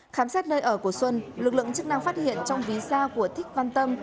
khám xét nơi ở của xuân lực lượng chức năng phát hiện trong ví xa của thích văn tâm